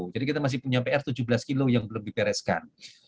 jadi kita masih punya pr tujuh belas km yang belum dipereskan